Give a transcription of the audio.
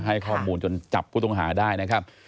ให้ข้อมูลจนจับผู้ต้องหาได้นะครับ